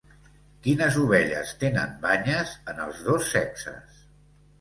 Quines ovelles tenen banyes en els dos sexes?